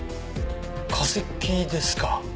化石ですか。